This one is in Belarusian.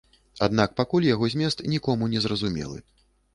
Аднак пакуль яго змест нікому не зразумелы.